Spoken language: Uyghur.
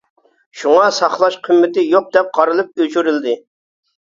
شۇڭا، ساقلاش قىممىتى يوق دەپ قارىلىپ ئۆچۈرۈلدى.